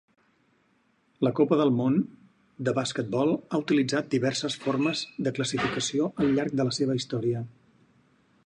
La Copa del Món de Basquetbol ha utilitzat diverses formes de classificació al llarg de la seva història.